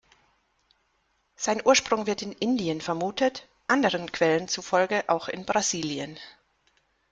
Sein Ursprung wird in Indien vermutet, anderen Quellen zufolge auch in Brasilien.